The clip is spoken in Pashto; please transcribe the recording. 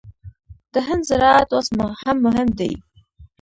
د هند زراعت اوس هم مهم دی.